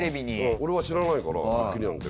俺は知らないからドッキリなんて。